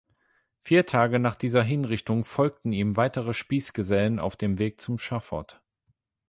Vier Tage nach dieser Hinrichtung folgten ihm weitere Spießgesellen auf dem Weg zum Schafott.